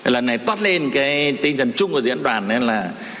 lần này tót lên cái tinh thần chung của diễn đàn nên là